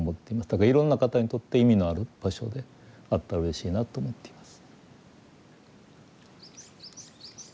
いろんな方にとって意味のある場所であったらうれしいなと思っています。